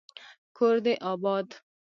کور دي اباد